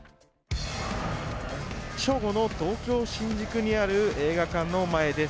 正午の東京・新宿にある映画館の前です。